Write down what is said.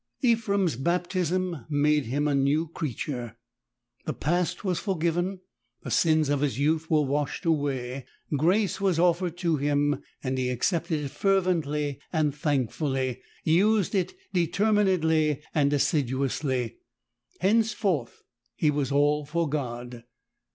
Ephrem's baptism made him a new creature. The past was forgiven; the sins of his youth were washed away. Grace was offered to him, and he accepted it fervently and thankfully — used it determinedly and assiduously. Hence forth he was all for God.